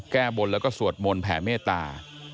แก้บนแล้วก็สวดมนต์แผ่เมตตา